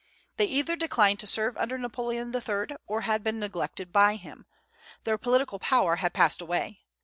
They either declined to serve under Napoleon III. or had been neglected by him; their political power had passed away.